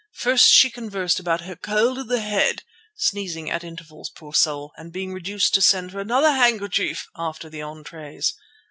First she conversed about her cold in the head, sneezing at intervals, poor soul, and being reduced to send for another handkerchief after the entrées.